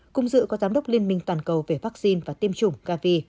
cùng dự có giám đốc liên minh toàn cầu về vaccine và tiêm chủng gavi